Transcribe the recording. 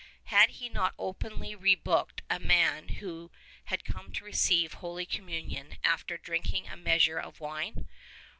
Had he not openly rebuked a man who had come to receive Holy Communion after drinking a measure of wine?